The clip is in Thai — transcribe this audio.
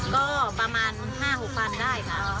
ก็ประมาณ๕๖พันได้ค่ะ